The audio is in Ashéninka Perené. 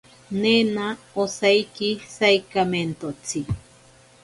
Nena osaiki saikamentotsi.